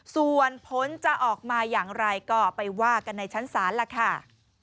ส่วนผลจะออกมาอย่างไรก็ไปว่ากันในชั้นศาลล่ะค่ะ